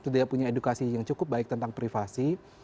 tidak punya edukasi yang cukup baik tentang privasi